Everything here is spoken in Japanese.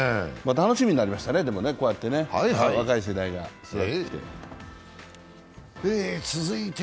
楽しみになりましたね、こうやって若い世代が育って。